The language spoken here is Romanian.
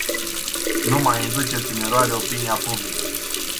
Nu mai induceți în eroare opinia publică.